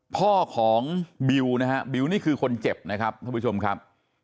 พ่อของบิวนะฮะบิวนี่คือคนเจ็บนะครับท่านผู้ชมครับ